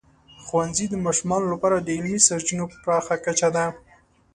ښوونځی د ماشومانو لپاره د علمي سرچینو پراخه کچه ده.